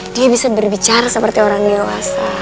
dia bisa berbicara seperti orang dewasa